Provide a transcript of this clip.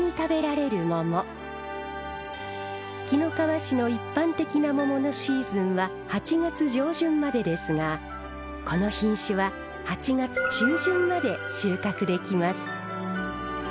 紀の川市の一般的な桃のシーズンは８月上旬までですがこの品種は８月中旬まで収穫できます。